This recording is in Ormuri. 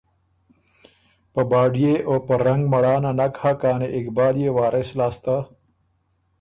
په باډئے او په رنګ مړانه نک هۀ کانی اقبال يې وارث لاسته